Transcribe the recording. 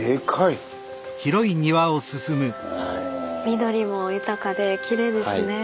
緑も豊かできれいですね。